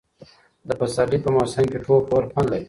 د پسرلي په موسم کې ټوپ وهل خوند لري.